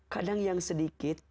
kadang yang sedikit